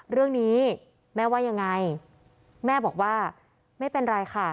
เรื่องนี้แม่ว่ายังไงแม่บอกว่าไม่เป็นไรค่ะ